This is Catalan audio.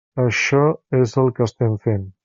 Això és el que estem fent.